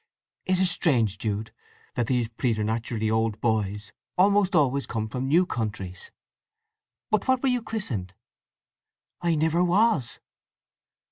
"It is strange, Jude, that these preternaturally old boys almost always come from new countries. But what were you christened?" "I never was."